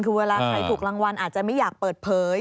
คือเวลาใครถูกรางวัลอาจจะไม่อยากเปิดเผย